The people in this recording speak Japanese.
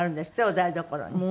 お台所に。